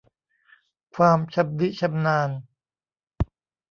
ความชำนิชำนาญ